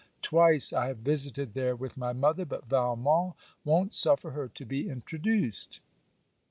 Twice I have visited there with my mother; but Valmont won't suffer her to be introduced.